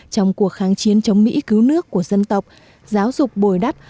trong cuộc kháng chiến chống mỹ cứu nước của dân tộc giáo dục bồi đắp